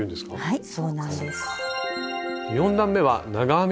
はい。